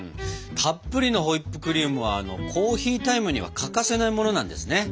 たっぷりのホイップクリームはコーヒータイムには欠かせないものなんですね。